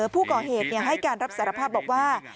ผู้ก่อเหตุให้การรับสารภาพบอกว่า